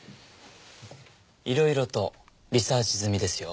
いろいろとリサーチ済みですよ。